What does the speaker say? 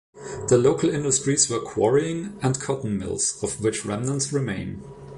The local industries were quarrying and cotton mills, of which remnants remain.